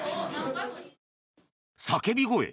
叫び声？